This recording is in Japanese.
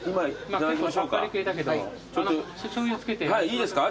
いいですか？